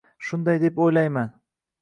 Shunday deb o'ylayman.